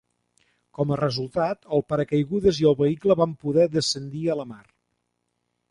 Com a resultat, el paracaigudes i el vehicle van poder descendir a la mar.